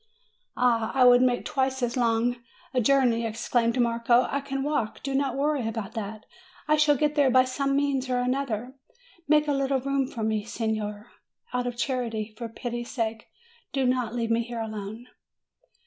"Ah, I would make twice as long a journey!" ex claimed Marco; "I can walk; do not worry about that ; I shall get there by some means or other : make 278 MAY a little room for me, signer, out of charity; for pity's sake, do not leave me here alone!"